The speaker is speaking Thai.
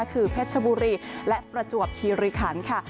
คือเพชรบุรีและประจวบคีริคันค่ะ